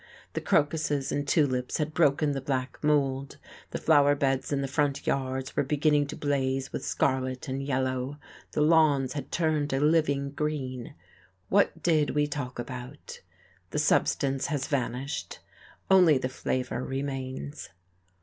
The crocuses and tulips had broken the black mould, the flower beds in the front yards were beginning to blaze with scarlet and yellow, the lawns had turned a living green. What did we talk about? The substance has vanished, only the flavour remains.